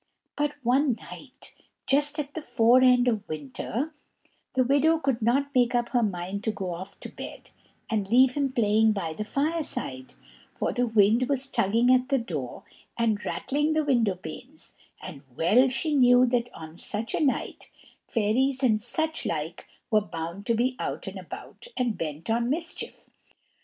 But one night, just at the fore end of winter, the widow could not make up her mind to go off to bed, and leave him playing by the fireside; for the wind was tugging at the door, and rattling the window panes, and well she knew that on such a night, fairies and such like were bound to be out and about, and bent on mischief.